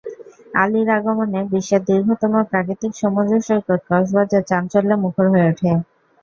আলীর আগমনে বিশ্বের দীর্ঘতম প্রাকৃতিক সমুদ্রসৈকত কক্সবাজার চাঞ্চল্যে মুখর হয়ে ওঠে।